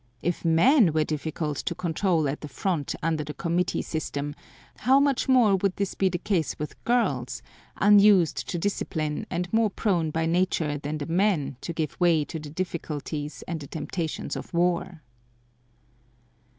If men were difficult to control at the front under the committee system, how much more would this be the case with girls, unused to discipline and more prone by nature than the men to give way to the difficulties and the temptations of war!